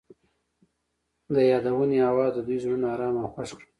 د یادونه اواز د دوی زړونه ارامه او خوښ کړل.